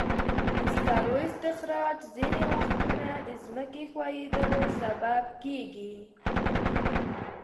د سکرو استخراج ځینې وختونه د ځمکې ښویېدلو سبب کېږي.